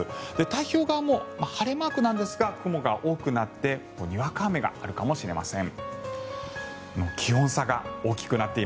太平洋側も晴れマークなんですが雲が多くなってにわか雨があるかもしれません。